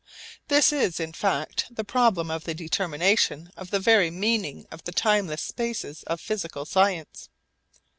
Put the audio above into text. This is in fact the problem of the determination of the very meaning of the timeless spaces of physical science.